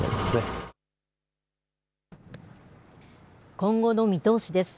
今後の見通しです。